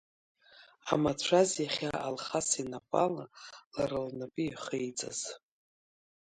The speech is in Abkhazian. Амацәаз, иахьа Алхас инапала, лара лнапы иахеиҵаз.